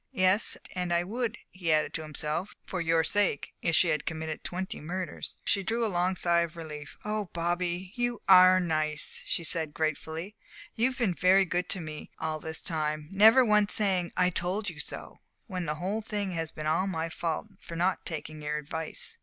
(Yes, and I would," he added to himself "for your sake, if she had committed twenty murders.") She drew a long sigh of relief. "Oh, Bobby, you are nice," she said, gratefully. "You've been very good to me all this time never once saying 'I told you so,' when the whole thing has been all my fault for not taking your advice."